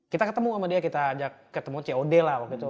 kita ketemu sama dia kita ajak ketemu cod lah waktu itu